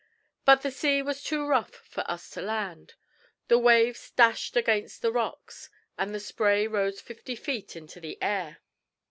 But the sea was too rough for us to land. The waves dashed against the rocks, and the spray rose fifty feet into the air.